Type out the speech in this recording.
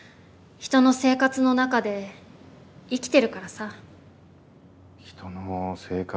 人の生活の中で生きてるか。